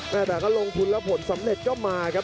แต่ก็ลงทุนแล้วผลสำเร็จก็มาครับ